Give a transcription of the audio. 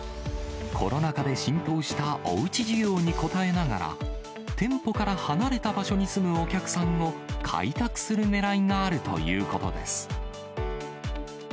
コロナ禍で浸透したおうち需要に応えながら、店舗から離れた場所に住むお客さんを開拓するねらいがあるということです。